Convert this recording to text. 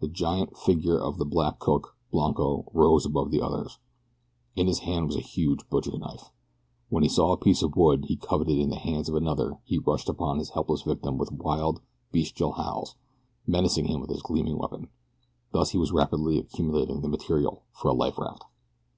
The giant figure of the black cook, Blanco, rose above the others. In his hand was a huge butcher knife. When he saw a piece of wood he coveted in the hands of another he rushed upon his helpless victim with wild, bestial howls, menacing him with his gleaming weapon. Thus he was rapidly accumulating the material for a life raft.